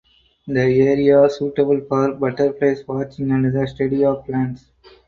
The area suitable for butterflies watching and the study of plants.